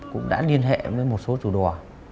cũng đã liên hệ với một số chủ đò